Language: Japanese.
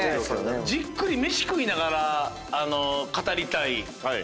じっくり飯食いながら語りたい３人。